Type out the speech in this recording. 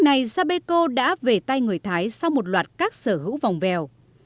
này sabeco đã về tay người thái sau một loạt các sở hữu vòng vèo